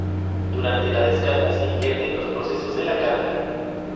Durante la descarga se invierten los procesos de la carga.